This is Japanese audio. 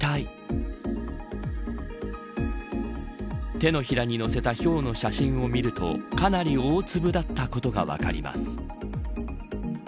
手のひらに乗せたひょうの写真を見るとかなり大粒だったことが分かります。